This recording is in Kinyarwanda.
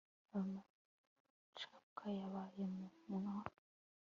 ayo macapwa yabaye mu wa